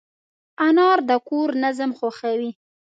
انا د کور نظم خوښوي